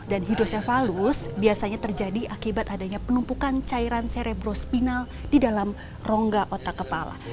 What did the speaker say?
dan hidrosefalus biasanya terjadi akibat adanya penumpukan cairan cerebrospinal di dalam rongga otak kepala